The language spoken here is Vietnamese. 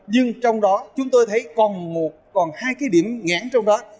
nhưng trong đó chúng tôi thấy còn một còn hai cái điểm ngãn trong đó